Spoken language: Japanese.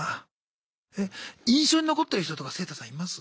え印象に残ってる人とかセイタさんいます？